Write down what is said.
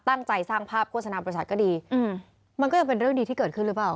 ตั้งใจสร้างภาพโฆษณาบริษัทก็ดีอืมมันก็ยังเป็นเรื่องดีที่เกิดขึ้นหรือเปล่า